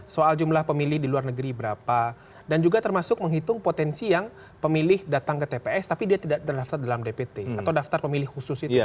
soal jumlah pemilih di luar negeri berapa dan juga termasuk menghitung potensi yang pemilih datang ke tps tapi dia tidak terdaftar dalam dpt atau daftar pemilih khusus itu